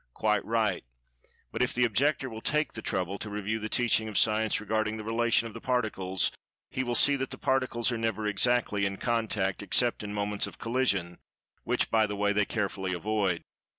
Quite right, but if the objector will take the trouble to review the teachings of Science regarding the relation of the Particles, he will see that the Particles are never "exactly" in contact, except in moments of collision, which, by the way, they carefully avoid.